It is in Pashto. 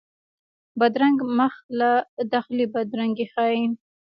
بدرنګه مخ له داخلي بدرنګي ښيي